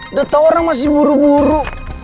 udah tau orang masih buru buru